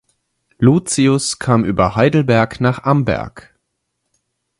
Lucius kam über Heidelberg nach Amberg.